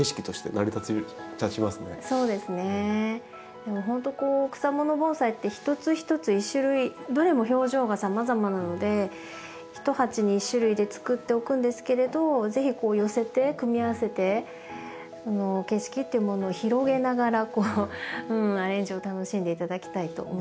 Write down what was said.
でもほんとこう草もの盆栽ってひとつひとつ一種類どれも表情がさまざまなので一鉢に一種類でつくっておくんですけれど是非こう寄せて組み合わせて景色っていうものを広げながらアレンジを楽しんで頂きたいと思っています。